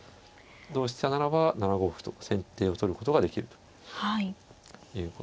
同飛車ならば７五歩と先手を取ることができるということですね。